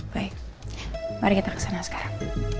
baik mari kita kesana sekarang